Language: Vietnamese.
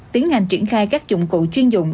tiến hành triển khai các dụng cụ chuyên dụng